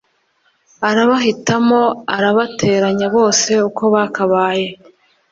Arabahitamo arabateranya bose uko bakabaye